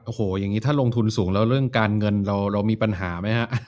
โอ้โหอย่างนี้ถ้าลงทุนสูงแล้วเรื่องการเงินเรามีปัญหาไหมฮะ